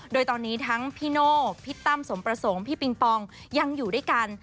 โดยตอนนี้ทั้งพี่โน่พี่ตั้มสมประสงค์พี่ปิงปองยังอยู่ด้วยกัน